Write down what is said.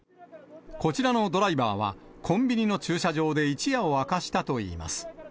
こちらのドライバーはコンビニの駐車場で一夜を明かしたといいます。